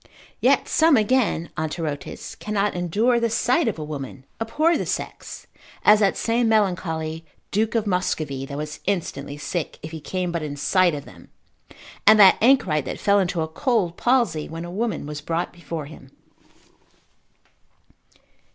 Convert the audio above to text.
Yet some again Anterotes, cannot endure the sight of a woman, abhor the sex, as that same melancholy duke of Muscovy, that was instantly sick, if he came but in sight of them; and that Anchorite, that fell into a cold palsy, when a woman was brought before him.